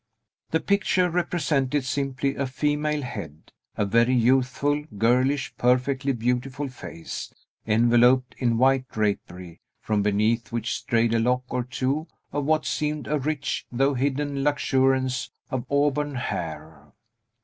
The picture represented simply a female head; a very youthful, girlish, perfectly beautiful face, enveloped in white drapery, from beneath which strayed a lock or two of what seemed a rich, though hidden luxuriance of auburn hair.